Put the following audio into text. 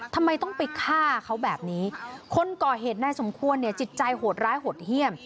ทำไมต้องไปฆ่าเขาแบบนี้คนก่อเหตุนายสมควรเนี่ยจิตใจโหดร้ายหดเยี่ยม